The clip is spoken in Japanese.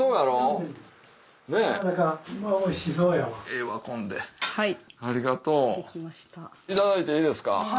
いただいていいですか？